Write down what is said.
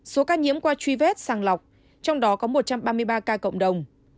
số ca nhiễm qua truy vết sàng lọc trong đó có một trăm ba mươi ba ca cộng đồng